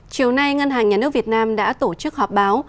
chiều nay ngân hàng nhà nước việt nam đã tổ chức họp báo